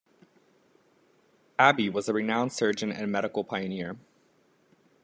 Abbe was a renowned surgeon and medical pioneer.